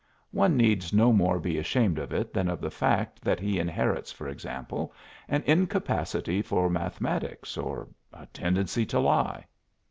One needs no more be ashamed of it than of the fact that he inherits, for example, an incapacity for mathematics, or a tendency to lie."